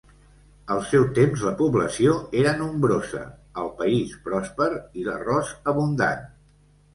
Al seu temps la població era nombrosa, el país pròsper i l'arròs abundant.